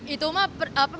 itu mah apa masih gak percaya